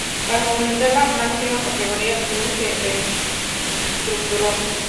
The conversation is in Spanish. Para afrontar la máxima categoría, el club se reestructuró.